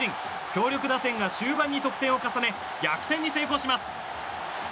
強力打線が終盤に得点を重ね逆転に成功します。